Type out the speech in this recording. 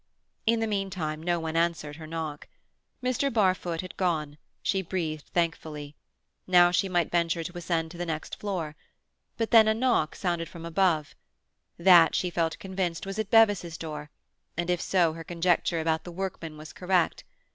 In the meantime no one answered her knock. Mr. Barfoot had gone; she breathed thankfully. Now she might venture to ascend to the next floor. But then sounded a knock from above. That, she felt convinced, was at Bevis's door, and if so her conjecture about the workman was correct.